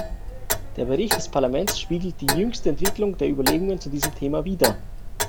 Der Bericht des Parlaments spiegelt die jüngste Entwicklung der Überlegungen zu diesem Thema wider.